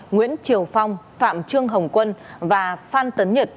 nguyễn triều phong phạm trương hồng quân và phan tấn nhật